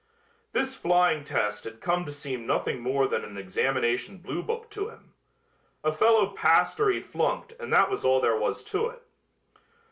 This flying test had come to seem nothing more than an examination bluebook to him. A fellow passed or he flunked and that was all there was to it."